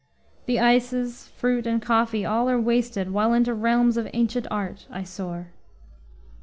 The ices, fruit and coffee all are wasted While into realms of ancient art I soar.